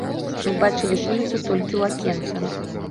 Мы бачылі вуліцу толькі ў акенца.